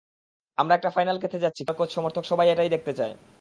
আমরা একটা ফাইনাল খেলতে যাচ্ছি—খেলোয়াড়, কোচ, সমর্থক সবাই এটাই দেখতে চায়।